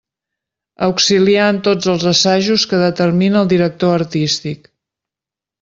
Auxiliar en tots els assajos que determine el director artístic.